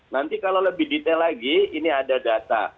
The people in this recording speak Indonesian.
nanti kalau lebih detail lagi ini ada data